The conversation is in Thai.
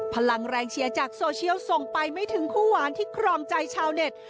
พลังแรงเชียร์จากโซเชียลส่งไปไม่ถึงคู่หวานที่ครองใจชาวเน็ต